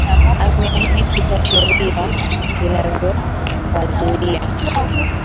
Ameahidi kuweka sheria zinazowazuia